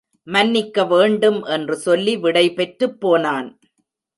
மன்னிக்கவேண்டும் என்று சொல்லி விடைபெற்றுப் போனான்.